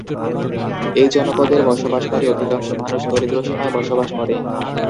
এই জনপদের বসবাসকারী অধিকাংশ মানুষ দরিদ্র সীমায় বসবাস করে।